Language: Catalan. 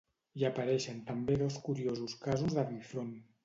Hi apareixen també dos curiosos casos de bifront.